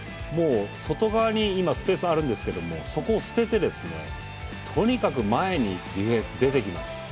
外側に今スペースあるんですけどもそこを捨ててですねとにかく前にディフェンス出ていきます。